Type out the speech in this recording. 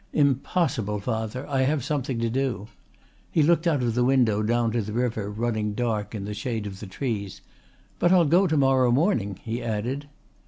"Impossible, father, I have something to do." He looked out of the window down to the river running dark in the shade of trees. "But I'll go to morrow morning," he added.